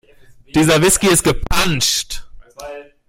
Dieser Whisky ist gepanscht.